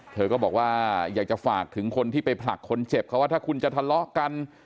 เธอก็บอกว่าอยากจะฝากถึงคนที่ไปผลักคนเจ็บเขาว่าถ้าคุณจะทะเลาะกัน